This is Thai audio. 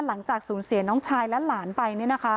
หลังจากสูญเสียน้องชายและหลานไป